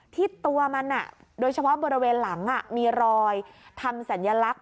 ที่ตัวมันโดยเฉพาะบริเวณหลังมีรอยทำสัญลักษณ